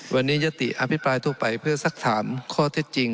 วันนี้ยติอภิปรายทั่วไปเพื่อสักถามข้อเท็จจริง